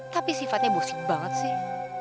tapi sifatnya musik banget sih